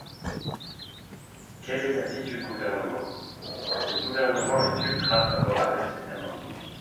Quel est l’avis du Gouvernement ? Le Gouvernement est ultra-favorable à cet amendement.